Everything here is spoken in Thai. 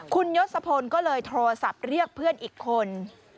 คุณยศพลก็เลยโทรศัพท์เรียกเพื่อนอีกคน